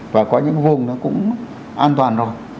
và có những vùng cũng an toàn rồi